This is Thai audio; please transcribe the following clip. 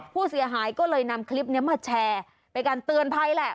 ผู้เสียหายก็เลยนำคลิปนี้มาแชร์เป็นการเตือนภัยแหละ